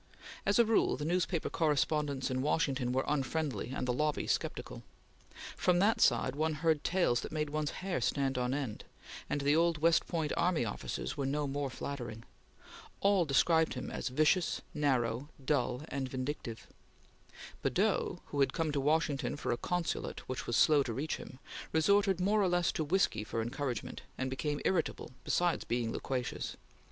As a rule, the newspaper correspondents in Washington were unfriendly, and the lobby sceptical. From that side one heard tales that made one's hair stand on end, and the old West Point army officers were no more flattering. All described him as vicious, narrow, dull, and vindictive. Badeau, who had come to Washington for a consulate which was slow to reach him, resorted more or less to whiskey for encouragement, and became irritable, besides being loquacious.